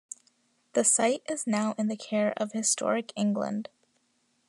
The site is now in the care of Historic England.